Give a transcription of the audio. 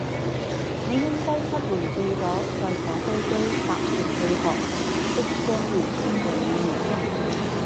你應該出門轉左，再坐飛機，搭船去學即將滅絕嘅語言